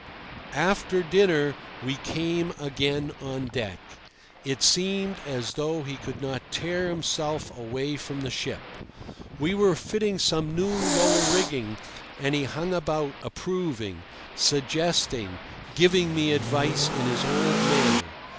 After dinner we came again on deck. It seemed as though he could not tear himself away from the ship. We were fitting some new lower rigging, and he hung about, approving, suggesting, giving me advice in his old manner.